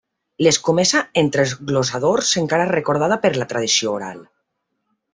L'escomesa entre els dos glosadors encara és recordada per la tradició oral.